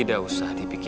jangan lupa untuk berhenti